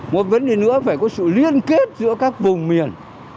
một vấn đề nữa phải có sự liên kết giữa các vùng miền